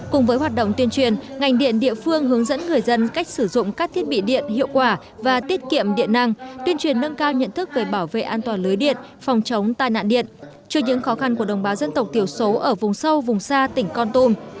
cùng với hoạt động tuyên truyền ngành điện địa phương hướng dẫn người dân cách sử dụng các thiết bị điện hiệu quả và tiết kiệm điện năng tuyên truyền nâng cao nhận thức về bảo vệ an toàn lưới điện phòng chống tai nạn điện cho những khó khăn của đồng bào dân tộc thiểu số ở vùng sâu vùng xa tỉnh con tum